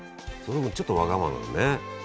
ちょっとわがままなんだね